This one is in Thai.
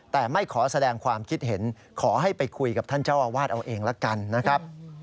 แต่ไม่ขอแสดงความคิดเห็นขอให้ไปคุยกับท่านเจ้าอาวาสเอาเองละกันนะครับ